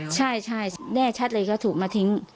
ใช่แน่ชัดเลยเขาถูกมาทิ้ง